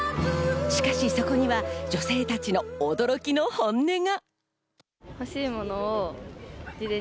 しかしそこには女性たちの驚きの本音が。